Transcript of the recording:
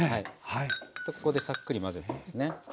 ここでさっくり混ぜてみますね。